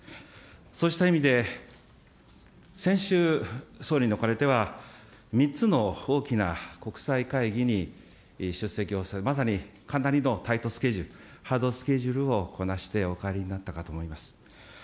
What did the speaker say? そうした意味で、先週、総理におかれては、３つの大きな国際会議に出席をされ、まさに簡単にいうとタイトスケジュール、ハードスケジュールをこなしてお帰りになったかと思います。